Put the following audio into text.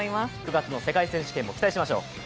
９月の世界選手権も期待しましょう。